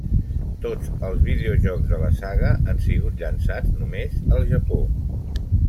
Tots els videojocs de la saga han sigut llançats només al Japó.